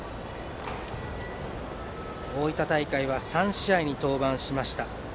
大分大会は３試合に登板しました。